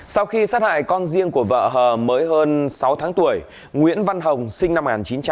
sau khi sát hại con riêng của vợ hờ mới hơn sáu tháng tuổi nguyễn văn hồng sinh năm một nghìn chín trăm tám mươi